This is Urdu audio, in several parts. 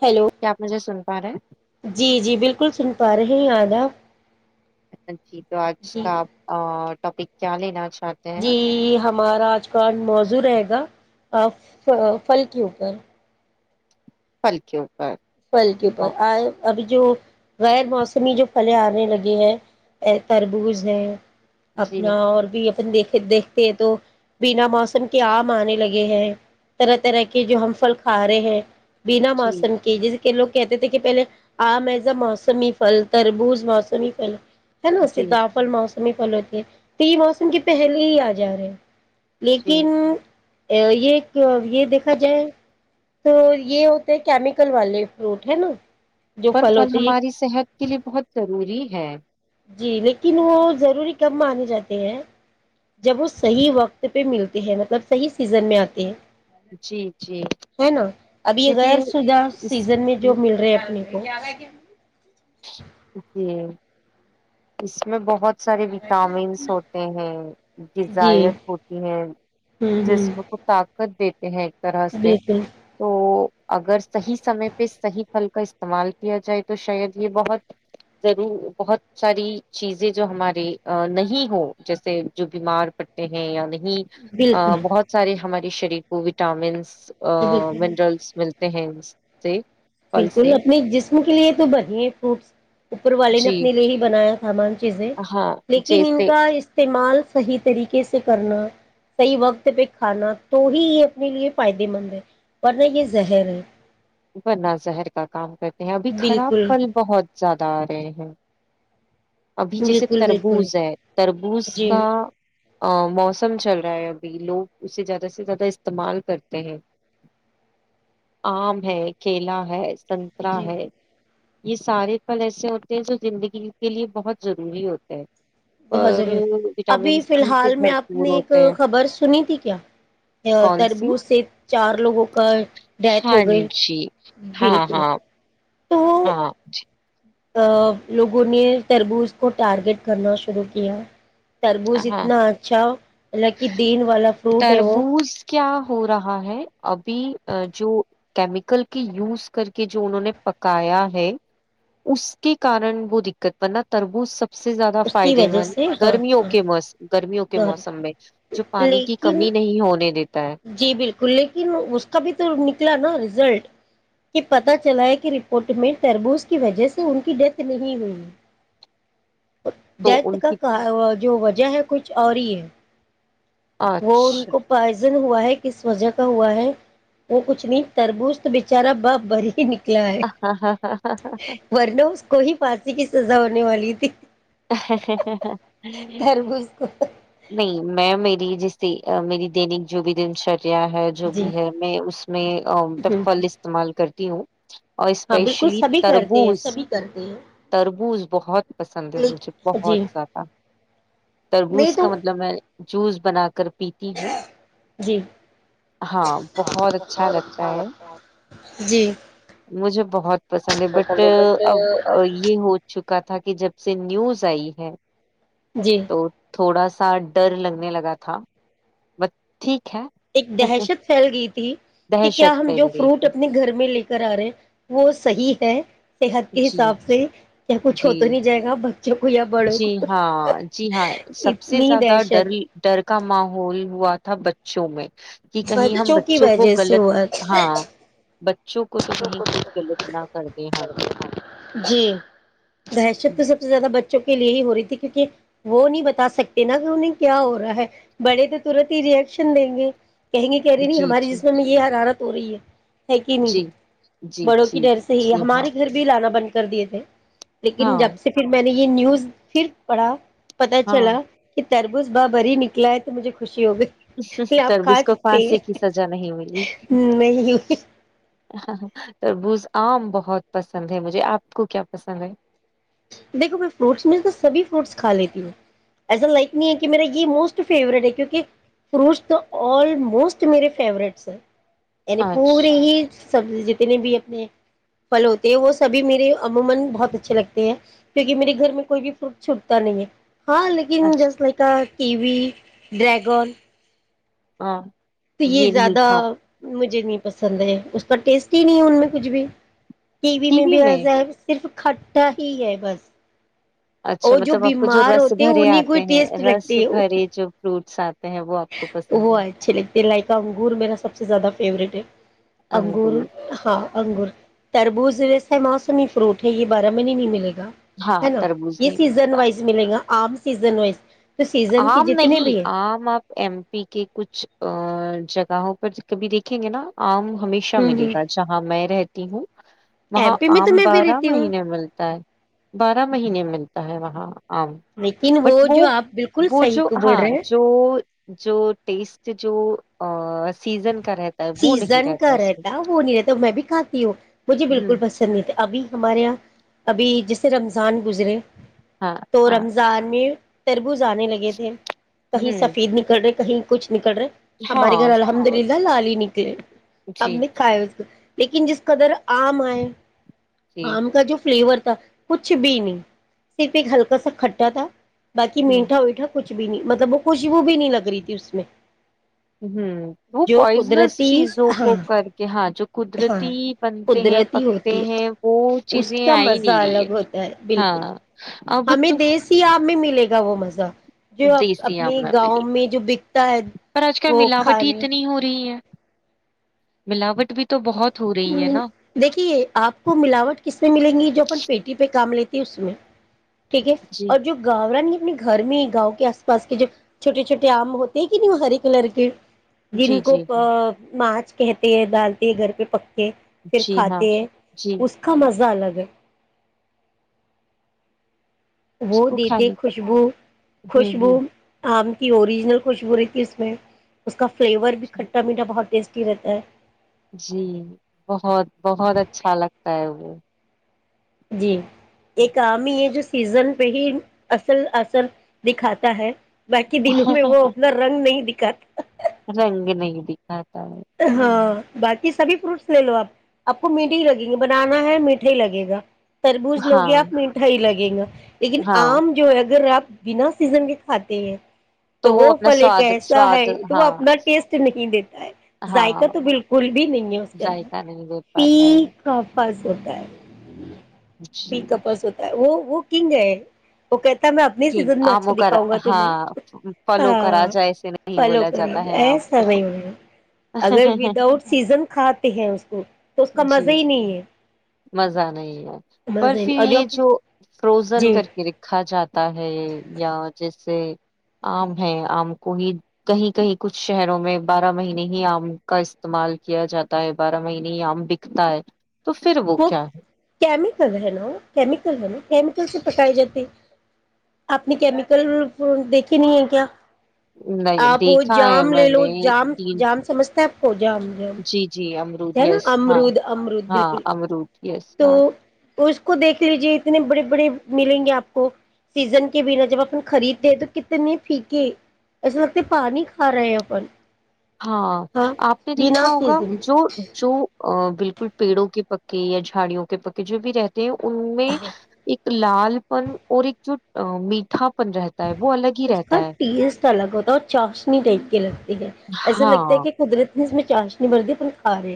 ہیلو کیا آپ مجھے سن پاریں جی جی بالکل سن پا رہے ہیں آیاد آپ چ جی [unintelligible] تو آج کا ٹاپک کیاالیناج جی ہماراج کٹ موزو رہے گا فل کے اوپر فلکو پھل کے پر آئے اب جو غیر موسمی جو پھلیں آنے لگے ہیں تربوز ہیں جی اپنا اور بھی دیکھے دیکھتے ہیں تو بنا موسم کے آم آنے لگے ہیں طرح طرح کے جو ہم پھل کھا رہے ہیں بنا جی موسم کے جس کے لوگ کہتے تھے کہ پہلے آ م ایزا موسمی پھل تربوز موسمی فل ہیلو جی سھا آپل موس پل ہوتی ہے تو یہ موسم کے پہلے ہی آ جا رہے جی لیکن یہ یہ دیکھا جائے تو یہ ہوتے کیمیکل والے فروٹ ہے ن اور پھل ہماری صحت کے لیے بہت دضوری ہے جی لیکن وہ ضروری کب مانے جاتے ہیں جب وہ صحیح وقت پہ ملتے ہیں مطلب صحیح سیزن میں آتے ہیں جی جی ہے نا اب یہ غیر کیونکہ شدہ اس سیزن میں جو مل رہے اپنے نہیںیال ہے کیا جی اس میں بہت بہت سارے وٹامنس ہوتے ہیں جی ڈزائت ہوتی ہیں ہوں ہوں جسم کو طاقت دی کہ طرحتے بالکل تو اگر صحیح سمے پہ صحیح پھل کا استعمال کیا جائے تو شاید یہ بہت ضرور بہت ساری چیزیں جو ہمارے نہیں ہو جیسے جو بیمار پڑتے ہیں یا نہیں بالکل بہت سارے ہمارے شریفو وٹامنس جی بالکل منرلس ملتے ہیں جی بالکل اپنے جسم کے لیے تو بڑیں خوب [unintelligible] اوپر والے نے جی اپنے لیے ہی بنایا سامان [unintelligible] چیزیں ہاں لیکن ان جیسے کا استعمال صحیح طریقے سے کرنا صحیح وقت پہ کھانا تو ہی یہ اپنے لیے فائدے مند ہے ورنہ یہ زہر ہے بنا زہر کا کام کرتے ہیں ابھی خراب بالکل پھل بہت زیادہ آ رہے ہیں ابھی جیسے بالکل بالکل تربوز ہے تربوز جی کا ا موسم چل رہا ہے ابھی لوگ اسے زیادہ سے زیادہ استعمال کرتے ہیں آم ہے کلا ہے سنترہ جی ہے یہ سارے پھل ایسے ہوتے ہیں جو زندگی کے لیے بہت ضروری ہوتے ہیں بہت اور ضرور وٹامن ابھی فی سی سے الحال میں آپ بھرپور نے ایک ہوتے ہیں خبر سنی تھی کیا کون سی تربوز سے چار لوگوں کا ڈیتھ ہاں ہو گئی ہاں بالکل ہاں تو ہاں جی لوگوں نے تربوز کو ٹارگیٹ کرنا شروع کیا تربوز ہاں اتنا اچھا مطب کہ دین والا فروٹ ہے وہ تربوز کیا ہو رہا ہے ابھی جو کیمیکل کے یوز کر کے جو انہوں نے پکایا ہے اس کے کارن وہ دقت ورنہ تربوز سب سب سے زیادہ اس کی فائدے وجہ مند سے ہاں گرمیوں ہاں موس گرمیوں کے گہری موسم میں جو پانی کی لیکن کمی نہیں ہونے دیتی جی بالکل لیکن اس کا بھی تو نکلا نا رزلٹ کہ پتا چلا ہے کہ رپورٹ میں تربوز کی وجہ سے ان کی ڈیتھ نہیں ہوئی تو ڈیتھ ان کی کا جو وجہ ہے [unintelligible] کچھ اور ہی ہے وہ ان اچھا کو پ ہوا ہے کس وجہ کا ہوا ہے وہ کچھ نہیں تربوز تو بےچارا باپ بری ہی نک ورنو اس کو ہی پات [unintelligible] کی سزا ہونے والی تھی نہیں [unintelligible] تربوز کو میں میری جس کی میری دینک جوب دن شر ہے جو جی بھی ہے میں اس میں پل استعمال کرتی کیوں [unintelligible] اور ہاں بالکل اسپیشلی سبھی کرتے ہیں تربوز سبھی کرتے ہیں تربوز بہت پسند ہے مجھے اچ لیک جی بہت زیادہ نہیں تربوز تو کا مطلب میں جوس بنا کر پیتی ہوں جی ہاں بہت اچھا لگتا ہے جی مجھے بہت پسند ہے بٹ اب یہ ہو چک کہ تھا کہ جب سے نیوز صحیح ہے جی تو تھوڑا سا سا ڈر لگنے لگا تھا ٹھیک ایک ہے دہشت پھیل گئی تھی کہ کیا دہشت ہم پھیل جو گئی فروٹ تھی اپنے گھر میں لے کر آ رہے ہیں وہ صحیح ہے سے [unintelligible] صحت کے جی حساب سے [unintelligible] کچھ جی ہو تو نہیں جائے گا [unintelligible] یا بڑوں جی کو ہاں جی ہاں سب سے اتنی زیادہ ڈر دہشت ڈر کا ماحول ہوا تھا تھا بچوں میں [unintelligible] کہ کہیں ہم کی بچوں کو وجہ سے غلط ہوا ہاں بچوں کو تو کہیں کچھ غلط نہ کرتے ہاں [unintelligible] جی دحشت تو سب سے زیادہ بچ کے لیے ہی ہو رہی تھی کیونکہ وہ نہیں بتا سکتے نا کہ انہیں کیا ہو رہا ہے بڑے تو تورت ہی ریئشن دیں گے [unintelligible] کہیں گی کہہ رہی نی جی ہماری جی جسم میں یہ حرارت [unintelligible] اوری [unintelligible] ہے کہ نہیں جی جی بڑوں کی جی ڈر سے ہی ہے جی ہاں ہمارے گھر بھی لانا بنتا [unintelligible] کر دیے تھے [unintelligible] لیکن ہاں جب سے پھر میں نے یہ نیوز پھر پڑھا [unintelligible] پتا ہاں چلا [unintelligible] تربوز باہ بری ہی نکلا ہے تو مجھے خوش [unintelligible] ا ہو گئی پ آپ کھا تربوز کو سکتے پھانسی کی ہیں سزا نہیں نہیں ہو ہ تربوز آم بہت پسند ہے مجھے آپ کو کیا پسند ہے دیکھو میں فروٹس میں تو سبھی فروٹس کھا لیتی ہوں ایسا لائک نہیں ہے کہ میرا یہ موسٹ فیوریٹ ہے کیونکہ فروٹس تو آ موسٹ میرے فیورٹس ہے نی آج پور ہی [unintelligible] کیونکہ میرے گھر میں کوئی بھی فروٹ چھوٹتا نہیں ہے ہاں لیکن اچھا just like T V dragon ہاں تو یہ نہیں زیادہ کھا مج مجھے نہیں پسند ہے اس کا ٹیسٹ ہی نہیں ہے ان میں کچھ بھی ٹی وی میں بھی ای صرف کھٹا ہی ہے بس اچھا اور مطلب آپ کو جو بیمار رس ہوتے ہیں بھرے انہیں کوئی آتے ہیں ٹیسٹ رس لگتی ہے بھرے جو فروٹ سات وہ اچھے لگتے لائکا انگور میرا سب سے زیادہ فیوریٹ ہے انگور ہاں انگور تربوز میںیس موسمی فروٹ ہے یہ بارہ میں نہیں ملے گا ہاں نا تربوز یہ نہیں ملے سیزن گا وائز ملے گا آم سیزن وائز تو سیزن کے آم جتنے نہیں بھی ہیں آم آپ ای پی کے کچھ جگہوں پر کبھی دیکھیں گے نا آم ہمیشہ ہوں ملے ہوں گا جہاں میں رہتی ہوں ایم وہاں پی میں تو آم میں بھی بارہ رہتی ہوں مہینے ملتا ہے بارہ مہینے ملتا ہے وہاں آم لیکن وہ جو آپ بالکل وہ صحیح جو کو بول ہاں رہے ہیں جو جو ٹیسٹ جو سیزن کا رہتا ہے وہ نہیں سیزن کا اس میں رہتا وہ نہیں رہتا میں بھی کھاتی ہوں مجھے ہ بالکل پسند نہیں تھا ابھی ہمارے یہاں ابھی جس اس سے رمضان گزرے ہاں تو ہاں رمضان میں تربوز آنے لگے تھے کہیں ہوں سفید نکل رہے کہیں کچھ نکل رہے ہمارے گھر ہاں الحمد لال ہی نکلے ہم جی نے کا لیکن جس قدر عام آئے جی آم کا جو فلیور تھا کچھ بھی نہیں صرف ایک ہلکا سا کھٹا تھا بای ہ ہوں میٹا ویٹا کچھ بھی نہیں مطلب وہ خوشی وہ بھی نہیں لگ رہی تھی اس میں ہاں وہ جو پوائزنس قدرتی چیزوں ہاں کو کر کے ہاں جو ہاں قدرتی بنتے ہیں قدرتی پکتے ہوتی ہیں وہ ہے اس چیزیں کا آ ہی مزہ نہیں رہی ہے الگ ہوتا ہاں اب تو س میں ملے گا وہ مزہ جو دیسی آم اپنے میں گاؤں ملی میں جو بکتا ہے وہ کھانا رہ ہے ملاوٹ بھی تو بہت ہو رہی ہے نا دیکھیے آپ کو ملاوٹ کس سے ملیں گی جو اپ پیٹی پہ کام لیتے اس میں ٹھیک ہے جی اور جو گاورا اپنے گھر میں ہی گاؤں کے آس پاس کے جو چھوٹے چھوٹے آم ہوتے ہیں کہ نہیں وہ ہرے کلر کے جن جی کو جی جی مارچ کہتے ہیں ڈالتے ہے گھر پہ پک پھر جی ہاں کھاتے ہیں جی اس کا مزہ الگ [unintelligible] وہ اس کو دیتے کھانے کا خوشبو ہ خوشبو ہ آم اوروریجنل خوشبو رہی ت اس میں اس کا [unintelligible] فلیور بھیھٹا میٹا بہت ٹیسٹ [unintelligible] کررتا ہے [unintelligible] جی بہت بہت اچھا لگتا ہے وہ [unintelligible] جی [unintelligible] ایک امی یہ جوس سیزن پہ ہی اصل اثر دکھاتا ہے [unintelligible] باقی دنوں میں وہ اپنا رنگ نہیں دکھ ک [unintelligible] رنگ نہیں دکھا ہاں باق [unintelligible] سبھی فروٹس لے لو آپ آپ کو میٹھے ہی لگیں گے بنانا ہے میٹھا ہی لگے گا تربوز لوی ہاں آپ میٹھائی لگی [unintelligible] گ [unintelligible] لیکن ہاں آم جو ہے اگر آپ بنا سیزن کے کھاتے ہیں تو وہ اپنا پھل ایک سواد کیسا ہے سواد تو وہ ہاں اپنا ٹیسٹ نہیں دیتا ہے ہاں ذائقہ تو بالکل بھی نہیں ہے اس کے ذائقہ نہیں دے اندر پاتا ہے یکا فرض ہوتا ہے پ جی کپس ہوتا ہے وہ وہ کنگ ہے وہ ہے میں اپنی سیزن میں آموں اچھا کا دکھاؤں گا تمہیں ہاں پلوں ہاں کااجا ایے نہیں فالو بولا کریں جاتا گے ہے آم ایسا کو نہیں ہوگا اگر وداؤٹ سیزن کھاتے ہیں اس کو تو اس کا جی مزہ ہی نہیں ہے مزہ نہیں ہے پر مزہ ہی پھر نہیں، اور یہ جو فروزن جی کر کے رکھا جاتا ہے یا جیسے آم ہے آم کو ہی کہیں کہیں کچھ شہروں میں بارہ مہینے ہی آم کا استعمال کیا جاتا ہے بارہ مہینے ہی آم بکتا ہے تو پھر وہ کیا ہے کیمیکل ہے نا کیمیکل ہے نا سے پکائے جاتے آپ نے کیمیکل دیکھے نہیں ہیں کیا نہیں آپ دیکھا ہے جام لے میں لو نے جام تین جام سمجھتا ہے پ جام جی جی ج امرود یس ہاں ہاں امرود یس ہاں تو اس کو دیکھ لیجے اتنے بڑے بڑے ملیں گے آپ کو سیزن کے بنا جب اپن خریدتے ہیں تو کتنے پھیکے ایسا لگتا پانی کھا رہے ہیں اپن ہاں آپ نے بنا دیکھا ہوگا سیزن جو جو ا بالکل پیڑوں کے پکے یا جھاڑی کے پکے جو بھی رہتے ہیں ان میں ایک لال پن اور ایک جو میٹھا پن رہتا ہے وہ الگ ہی اس رہتا کا ہے ٹیسٹ الگ ہوتا ہے اور چاشنی ٹائپ کی لگتی ہے ایسے ہاں لگتا ہے کہ قدرت اس میں چاشنی بر دی پن کھا رہے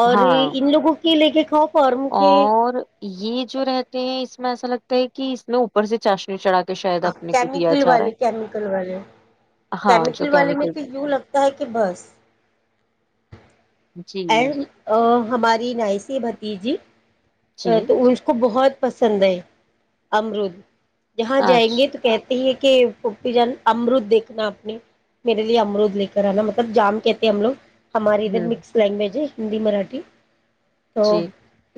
اور ہاں ان لوگوں [unintelligible] کی لے کےے خاپ [unintelligible] اور یہ جو رہتے ہیں اس میں ایسا لگتا کہ اس نے اوپر سے چاشنی چڑا ہاں کیمیکل والے کیمیکل والے ہاں جو کیمیکل والے میں تو یوں لگتا ہے کہ بس جی اڈ ہماری نائسی ب [unintelligible] ایجپٹ جی ا تو اس کو بہت [unintelligible] پسند ہے امرود جہاں جائیں گے اچھا تو کہتے ہی کہ فوپی جان امرود دیکھنا اپنے میرے لیے امرود لے کر آنا مطلب جام کہتے ہیں ہم لوگ ہماریے ادھر ہوں مکس بی جے ہندی مراٹھی تو جی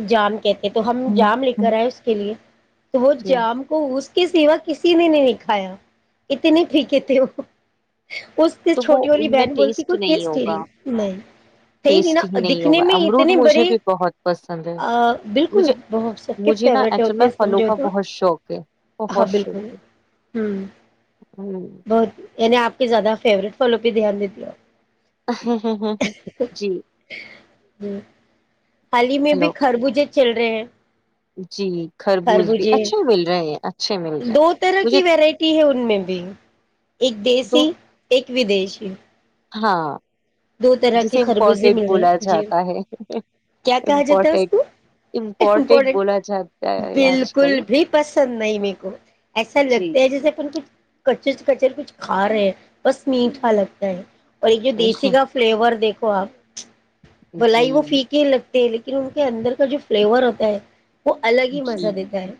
جان تو ہم ہوں جام لے ہوں کر آئے اس کے لیے تو وہ جی جام کو اس کے سوا کسی نے نہیں کھایا اتنے فیکای تھے وہ اس اس تو وہ چھوٹی والی ان میں بہن بولتی کوئی ٹیسٹ ہوگا نہیں اس میں ٹیسٹ ہی نہیں ہوگا امرود اتنے بڑے مجھے بھی بہت پسند ہے بالکل مجھے بہت سب کے مجھے نا فیوریٹ ایکچول ہوتے میں ہیں پھلوں سمجھو کا تو بہت شوق ہے ہاں بہت شوق بالکل ہے ہوں ہ بہت یعنی آپ کے زیادہ فیورٹ فالوں پہ دھیان دی تی ہو ہاں ہو ہو ہو جی ہوں حال ہی میں بھی ہلو خربوجے چل رہے ہیں جی خربوز بھی خربوجھے اچھے مل رہے ہیں اچھے مل رہے ہیں دو طرح مجھے کی ورائٹی ہے ان میں بھی ایک دو دیسی ایک ودیشی [unintelligible] ہاں دو طرح کے جسے خربوزیں امپورٹینٹ مل بولا رہے جی جاتا ہے کیا کہا جاتا ہے اس امپورٹینٹ کو امپورٹینٹ امپٹینٹ بولا جاتا ہے آج کل بالکل بھی پسند نہیں میرے کو ایسا جی لگتا ہے جیسے اپن کچھ کچر کچر کچھ کھا رہے بس میٹھا لگتا ہے اور ایک جو دیسی گ فلیور دیکھ واھ بلائی جی وہ فی کے لگ لیکن ان کے اندر کا جو فلیور ہوتا ہے وہ الگ ہی مزہ جی دیتا ہے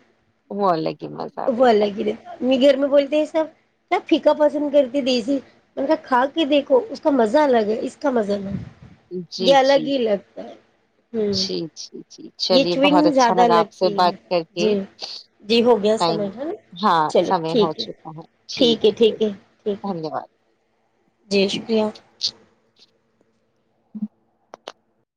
وہ الگ ہی مزہ وہ بیٹا الگ ہی دیتا ہے میرے گھر میں بولتے ہیں سب کیا پھیکا پسند کرتے دیسی میں نے کہا کھا کے دیکھو اس کا مزہ اسکا الگ ہے اس کا مزہ الگ ہے جی یہ جی الگ ہی لگتا ہے ہوں جی جی جی یہ چلیے بہت چوئنگ اچھا زیادہ لگا آپ سے لگتی ہے بات کر کے جی جی ہو گیا ٹائم سمجھ ہے نا ہاں چلو سمے ہو ٹھیک چکا ہے ٹھیک ہے دھنیہ واد جی شکریہ [inaudible]